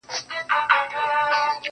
دې ښاريې ته رڼاگاني د سپين زړه راتوی كړه,